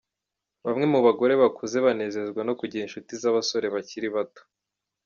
Bamwe mu bagore bakuze banezezwa no kugira inshuti z’abasore bakiri bato